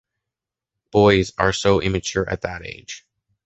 Boys are so immature at that age.